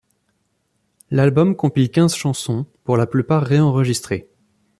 L'album compile quinze chansons, pour la plupart ré-enregistrées.